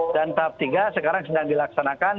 dan tahap tiga sekarang sedang dilaksanakan